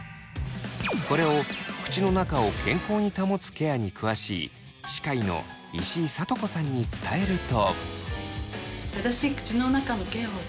これを口の中を健康に保つケアに詳しい歯科医の石井さとこさんに伝えると。